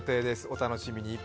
お楽しみに。